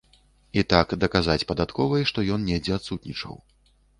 І так даказаць падатковай, што ён недзе адсутнічаў.